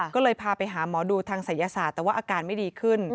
ก็เลยพาไปหาหมอดูทางศัยศาสตร์แต่ว่าอาการไม่ดีขึ้น